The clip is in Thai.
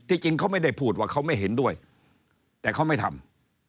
จริงเขาไม่ได้พูดว่าเขาไม่เห็นด้วยแต่เขาไม่ทำ